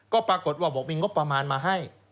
ก็ปรากฏว่าบอกมีงบประมาณมาให้